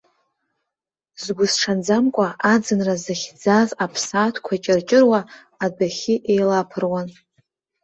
Згәызҽанӡамкәа аӡынра зыхьӡаз аԥсаатәқәа ҷыр-ҷыруа, адәахьы еилаԥыруан.